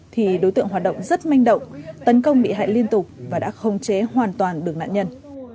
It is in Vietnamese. thì đối tượng hoạt động rất manh động tấn công bị hại liên tục và đã không chế hoàn toàn được nạn nhân